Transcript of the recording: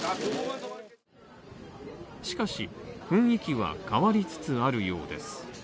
しかし、雰囲気は変わりつつあるようです。